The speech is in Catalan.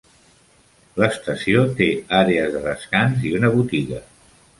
L'estació té àrees de descans i una botiga.